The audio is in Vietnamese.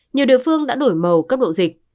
nhiều địa phương đã đổi màu cấp độ dịch